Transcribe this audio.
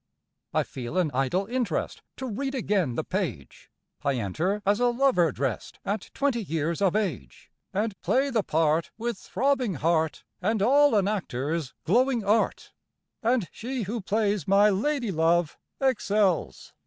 I feel an idle interest To read again the page; I enter, as a lover dressed, At twenty years of age, And play the part With throbbing heart, And all an actor's glowing art. And she who plays my Lady love Excels!